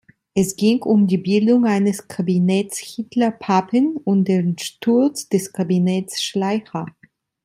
Es ging um die Bildung eines Kabinetts Hitler-Papen und den Sturz des Kabinetts Schleicher.